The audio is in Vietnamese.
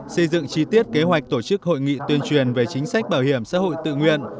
xây dựng chi tiết kế hoạch tổ chức hội nghị tuyên truyền về chính sách bảo hiểm xã hội tự nguyện